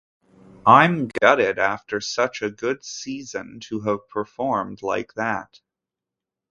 I'm gutted after such a good season to have performed like that.